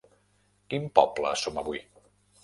Quin poble som avui?